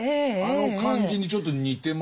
あの感じにちょっと似てますよね。